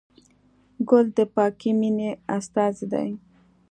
ګل د پاکې مینې استازی دی.